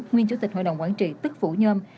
nguyên chủ tịch hội đồng quản trị tức vũ nhôm